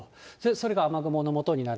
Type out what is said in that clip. それが雨雲のもとになる。